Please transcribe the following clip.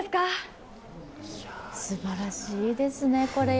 すばらしいですね、これ。